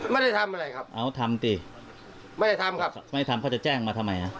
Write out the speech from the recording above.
ไม่ได้ทำอะไรครับเอาทำสิไม่ได้ทำครับไม่ทำเขาจะแจ้งมาทำไมฮะ